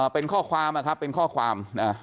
เป็นข้อความนะครับเป็นข้อความ